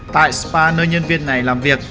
tại spa nơi nhân viên này làm việc